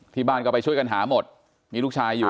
ที่บ้านก็ไปช่วยกันหาหมดมีลูกชายอยู่